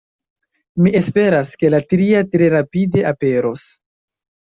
Mi esperas, ke la tria tre rapide aperos.